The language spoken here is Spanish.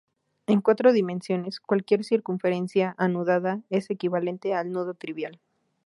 En cuatro dimensiones, cualquier circunferencia anudada es equivalente al nudo trivial.